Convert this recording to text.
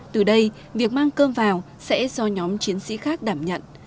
từ đây việc mang cơm vào sẽ do nhóm chiến sĩ khác đảm nhận